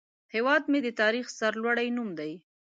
هیواد مې د تاریخ سرلوړی نوم دی